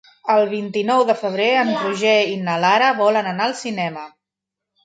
El vint-i-nou de febrer en Roger i na Lara volen anar al cinema.